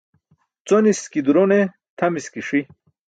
Coniski duro ne tʰamiski ṣi.